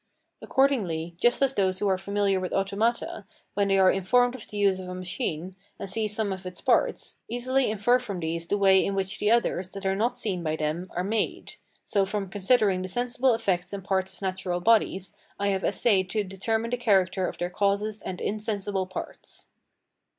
Accordingly, just as those who are familiar with automata, when they are informed of the use of a machine, and see some of its parts, easily infer from these the way in which the others, that are not seen by them, are made; so from considering the sensible effects and parts of natural bodies, I have essayed to determine the character of their causes and insensible parts.